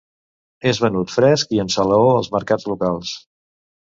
És venut fresc i en salaó als mercats locals.